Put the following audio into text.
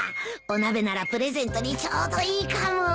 お鍋ならプレゼントにちょうどいいかも。